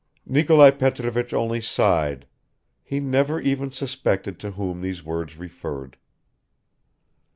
Nikolai Petrovich only sighed; he never even suspected to whom these words referred.